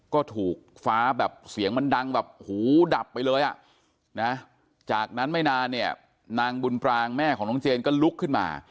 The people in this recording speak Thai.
ก็ถูกฟ้าแบบเสียงมันดังแบบหูดับไปเลยอ่ะนะจากนั้นไม่นานเนี่ยนางบุญปรางแม่ของน้องเจนก็ลุกขึ้นมา